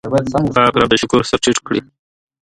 پاک رب ته د شکر سر ټیټ کړئ.